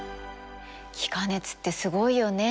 気化熱ってすごいよね？